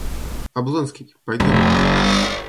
Облонский, пойдем!